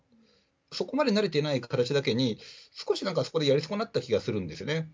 そこまで慣れてない形だけに、少しなんか、そこでやりそこなった気がするんですよね。